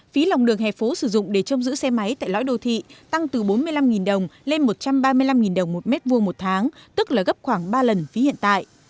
phí lòng đường hè phố sử dụng để trông giữ xe máy tại lõi đô thị tăng từ bốn mươi năm đồng lên một trăm ba mươi năm đồng một mét vuông một tháng tức là gấp khoảng ba lần phí hiện tại